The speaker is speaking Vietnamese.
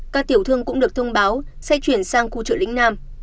các tiểu thương cũng được thông báo sẽ chuyển sang khu chợ lĩnh nam